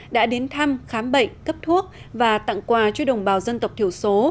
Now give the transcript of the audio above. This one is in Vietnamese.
đã đến thăm khám bệnh cấp thuốc và tặng quà cho đồng bào dân tộc thiểu số